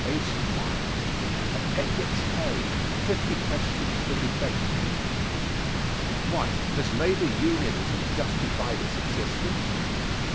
APPENDICES APPENDIX A FIFTY QUESTIONS FOR DEBATE 1. Has Labor Unionism justified its existence?